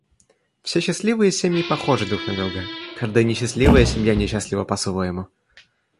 Все счастливые семьи похожи друг на друга, каждая несчастливая семья несчастлива по-своему.